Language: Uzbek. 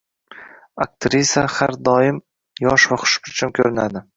Aktrisa har doim yosh va xushbichim ko‘rinadi